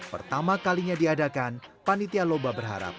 pertama kalinya diadakan panitia lomba berharap